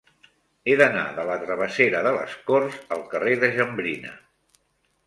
He d'anar de la travessera de les Corts al carrer de Jambrina.